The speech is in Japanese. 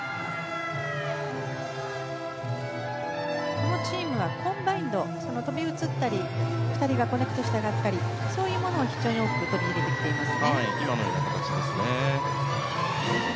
このチームはコンバインド飛び移ったり２人がコネクトするものだったりそういうものを非常に多く取り入れています。